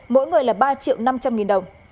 mỗi người là ba triệu năm trăm linh nghìn đồng